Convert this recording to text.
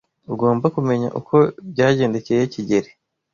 Ugomba kumenya uko byagendekeye kigeli.